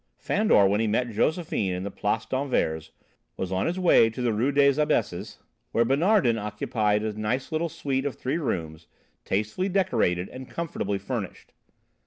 Fandor, when he met Josephine in the Place d'Anvers, was on his way to the Rue des Abesses where Bonardin occupied a nice little suite of three rooms, tastefully decorated and comfortably furnished.